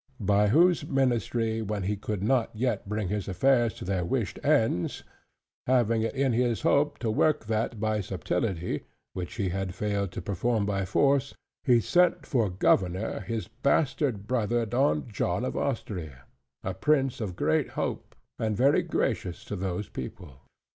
By whose ministry when he could not yet bring his affairs to their wished ends, having it in his hope to work that by subtility, which he had failed to perform by force; he sent for governor his bastard brother Don John of Austria, a prince of great hope, and very gracious to those people.